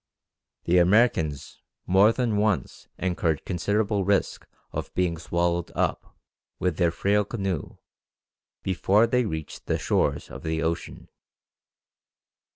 The Americans more than once incurred considerable risk of being swallowed up, with their frail canoe, before they reached the shores of the ocean.